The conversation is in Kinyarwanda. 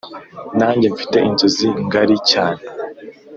nange mfite inzozi ngari cyane,